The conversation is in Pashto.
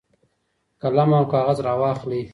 قلم او کاغذ راواخلئ.